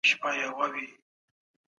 حق پالونکي په هیڅ شي نه بېرېدل.